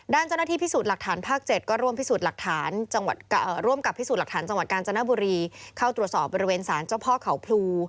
ด้านเจ้าหน้าที่พิสูจน์หลักฐานภาค๗ก็ร่วมกับพิสูจน์หลักฐานจังหวัดกาลจนบุรีเข้าตรวจสอบบริเวณสารเจ้าพ่อเขาพลู